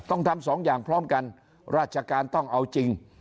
ต้องทำสองอย่างพร้อมกันราชการต้องเอาจริง